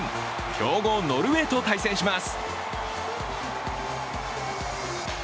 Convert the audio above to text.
強豪ノルウェーと対戦します。